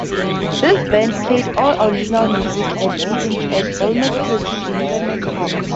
This band played all original music at "Be-ins" at Belmont Plateau in Fairmount Park.